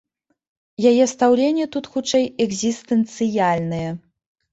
Яе стаўленне тут хутчэй экзістэнцыяльнае.